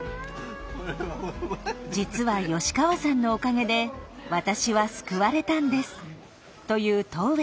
「実は吉川さんのおかげで私は救われたんです」と言う戸上さん。